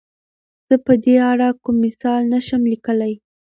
زۀ په دې اړه کوم مثال نه شم ليکلی.